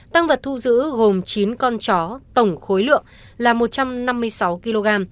tăng vật thu giữ gồm chín con chó tổng khối lượng là một trăm năm mươi sáu kg